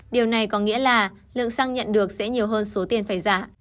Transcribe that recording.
điều này có nghĩa là lượng xăng nhận được sẽ nhiều hơn số tiền phải giá